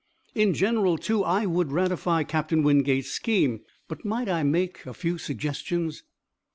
"In general, too, I would ratify Captain Wingate's scheme. But might I make a few suggestions?"